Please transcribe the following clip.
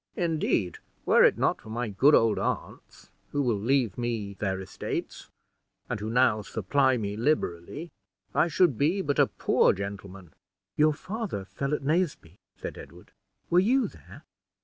Indeed, were it not for my good old aunts, who will leave me their estates, and who now supply me liberally, I should be but a poor gentleman." "Your father fell at Naseby?" said Edward. "Were you there?"